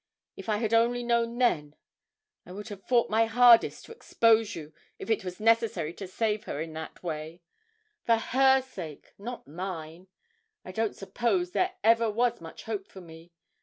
If I had only known then, I would have fought my hardest to expose you, if it was necessary to save her in that way for her sake, not mine. I don't suppose there ever was much hope for me.